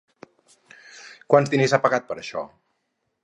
Quants diners ha pagat per això?